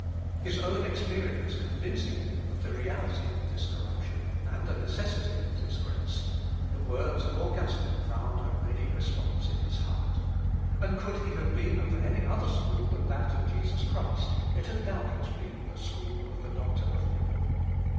His own experience convincing him of the reality of this corruption, and the necessity of this grace, the words of Augustine found a ready response in his heart; and could he have been of any other school than that of Jesus Christ, it had doubtless been the school of the doctor of Hippo.